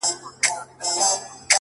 ما په لفظو کي بند پر بند ونغاړه ـ